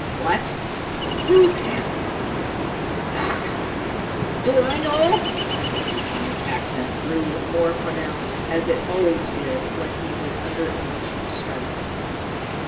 "What! Whose hands?" "Ach! Do I know?" His Teutonic accent grew more pronounced, as it always did when he was under emotional stress.